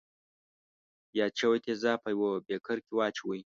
یاد شوي تیزاب په یوه بیکر کې واچوئ.